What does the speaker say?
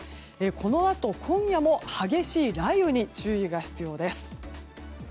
このあと今夜も激しい雷雨に注意が必要です。